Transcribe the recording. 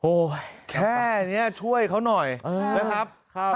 แค่นี้ช่วยเขาหน่อยนะครับ